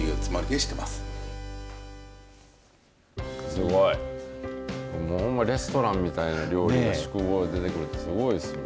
すごい。ほんまレストランみたいな料理が宿坊で出てくるってすごいですね。